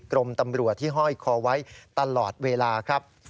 รมตำรวจที่ห้อยคอไว้ตลอดเวลาครับ